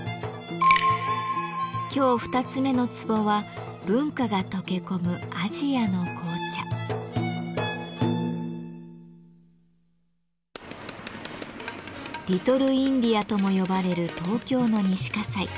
今日二つ目のツボは「リトルインディア」とも呼ばれる東京の西葛西。